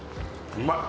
うまい！